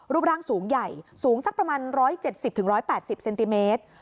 รูปร่างสูงใหญ่สูงสักประมาณ๑๗๐๑๘๐เซนติเมตร